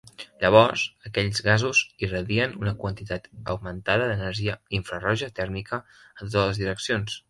Llavors, aquells gasos irradien una quantitat augmentada d'energia infraroja tèrmica en totes les direccions.